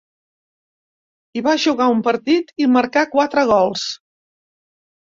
Hi va jugar un partit, i marcà quatre gols.